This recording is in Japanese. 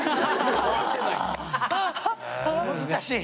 難しい？